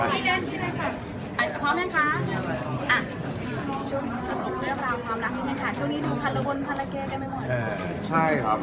สวัสดีครับ